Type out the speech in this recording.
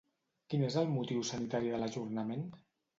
Quin és el motiu sanitari de l'ajornament?